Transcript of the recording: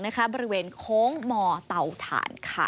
ราบริเวณโค้งมอเตาธาน